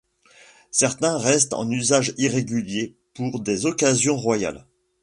Certains restent en usage irrégulier pour des occasions royales.